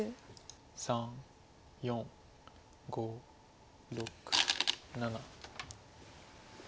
３４５６７。